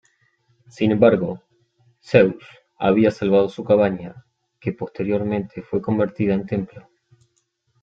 Sin embargo, Zeus había salvado su cabaña, que posteriormente fue convertida en templo.